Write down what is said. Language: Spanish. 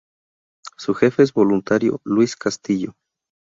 Su jefe es el voluntario Luis Castillo.